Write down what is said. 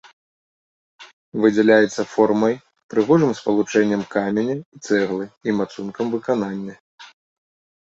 Выдзяляецца формай, прыгожым спалучэннем каменя і цэглы і мацункам выканання.